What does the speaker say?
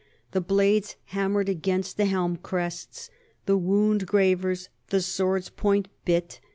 The blades hammered against the helm crests, the wound gravers, the sword's point, bit.